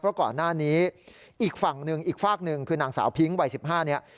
เพราะก่อนหน้านี้อีกฝั่งหนึ่งอีกฝากหนึ่งคือนางสาวพิ้งวัย๑๕เนี่ย